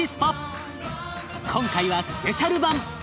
今回はスペシャル版。